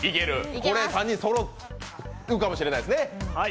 これ、３人そろうかもしれないですね。